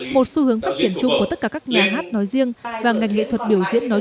một xu hướng phát triển chung của tất cả các nhà hát nói riêng và ngành nghệ thuật biểu diễn nói